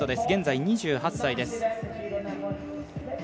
現在２８歳です。